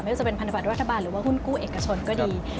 ว่าจะเป็นพันธบัตรรัฐบาลหรือว่าหุ้นกู้เอกชนก็ดี